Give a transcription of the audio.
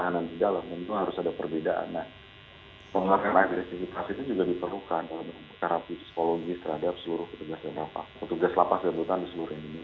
karena itu psikologis terhadap seluruh petugas lapas dan tutan di seluruh indonesia